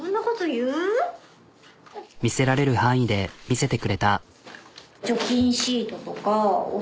見せられる範囲で見せてくれた。